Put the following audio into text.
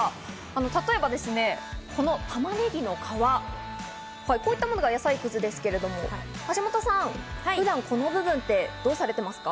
例えば、この玉ねぎの皮、こういったものが野菜くずですが橋本さん、普段この部分どうされてますか？